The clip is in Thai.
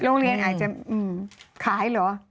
โรงเรียนอาจจะขายเหรอ